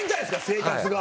生活が。